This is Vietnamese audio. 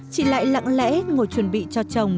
chị lại lặng lẽ ngồi chuẩn bị cho chồng